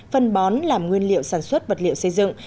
phân bón làm nguyên liệu sản xuất vật liệu xây dựng